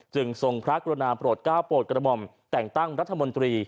ทรงพระกรุณาโปรดก้าวโปรดกระหม่อมแต่งตั้งรัฐมนตรี